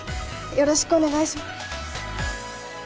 よろしくお願いし。